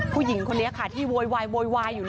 ผู้หญิงคนนี้ค่ะที่โวยวายอยู่